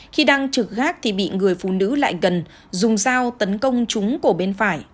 khi đang trực gác thì bị người phụ nữ lại gần dùng dao tấn công chúng của bên phải